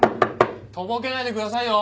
とぼけないでくださいよ。